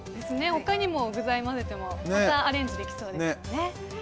他に具材を混ぜてもアレンジできそうですね。